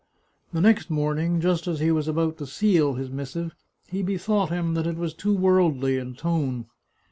The next morning, just as he was about to seal his missive, he bethought him that it was too worldly in tone.